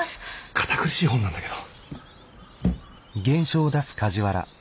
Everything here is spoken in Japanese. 堅苦しい本なんだけど。